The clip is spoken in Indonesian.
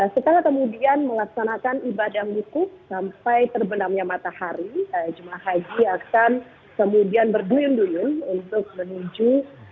setelah kemudian melaksanakan ibadah wukuf sampai terbenamnya matahari jemaah haji akan kemudian berduyun duyun untuk menuju